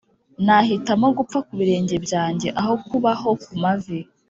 nahitamo gupfa ku birenge byanjye aho kubaho ku mavi